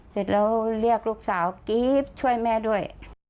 เสร็จแล้วเรียกลูกสาวกรี๊บช่วยแม่ด้วย